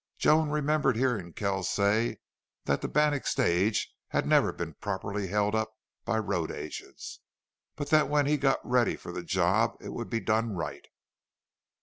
Joan remembered hearing Kells say that the Bannack stage had never been properly held up by road agents, but that when he got ready for the job it would be done right.